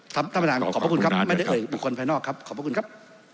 ขอบคุณครับไม่ได้เอ่ยบุคคลภายนอกครับขอบคุณครับ